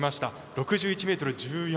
６１ｍ１４。